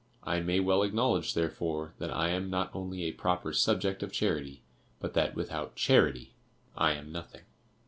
I may well acknowledge, therefore, that I am not only a proper 'subject of charity,' but that 'without Charity, I am nothing.